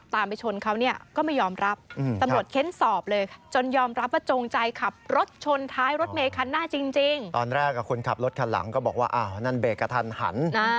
ตอนแรกคุณขับรถคันหลังก็บอกว่าอ้าวนั่นเบรกกระทันหัน